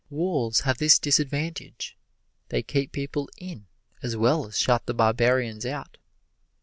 Walls have this disadvantage: they keep people in as well as shut the barbarians out.